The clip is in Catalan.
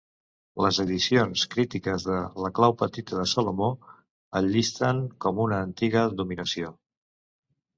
Les edicions crítiques de "La clau petita de Salomó" el llisten com una antiga dominació.